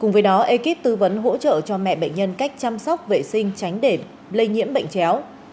cùng với đó ekip tư vấn hỗ trợ cho mẹ bệnh nhân cách chăm sóc vệ sinh tránh để lây nhiễm bệnh chéo